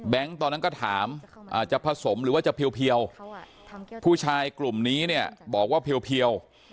ตอนนั้นก็ถามอาจจะผสมหรือว่าจะเพียวผู้ชายกลุ่มนี้เนี่ยบอกว่าเพียว